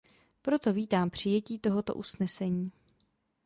Proto vítám přijetí tohoto usnesení.